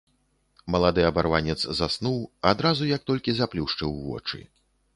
Малады абарванец заснуў адразу, як толькі заплюшчыў вочы.